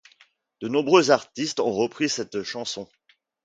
De nombreux artistes on repris cette chanson.